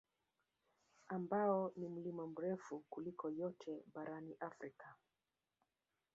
Ambao ni mlima mrefu kuliko yote barani Afrika